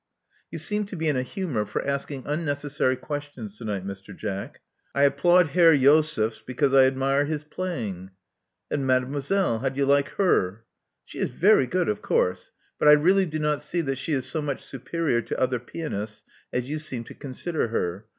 *'You seem to be in a humor for asking unnecessary questions to night, Mr. Jack. I applaud Herr Josefs because I admire his playing. " •'And Mademoiselle. How do you like Aerf She is very good, of coarse. But I really do not see that she is so much superior to other pianists as you seem to consider her.